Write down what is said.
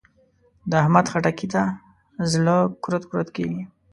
د احمد؛ خټکي ته زړه کورت کورت کېږي.